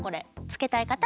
つけたい方？